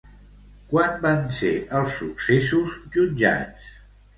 Quan van ser els successos jutjats?